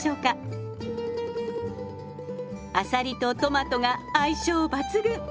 あさりとトマトが相性抜群！